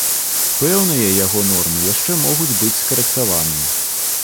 Пэўныя яго нормы яшчэ могуць быць скарэктаваныя.